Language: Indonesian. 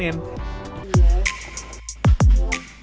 selanjutnya untuk melihat tujuan karika